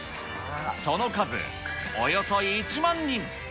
その数およそ１万人。